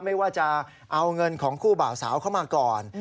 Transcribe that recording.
ไม่ว่าจะเอาเงินของคู่บ่าวสาวเข้ามาก่อน